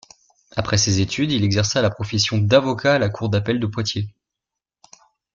Après ses études, il exerça la profession d'avocat à la cour d'appel de Poitiers.